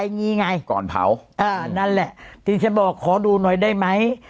งี้ไงก่อนเผาอ่านั่นแหละที่ฉันบอกขอดูหน่อยได้ไหม